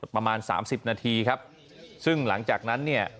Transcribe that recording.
ประมาณสามสิบนาทีครับซึ่งหลังจากนั้นเนี่ย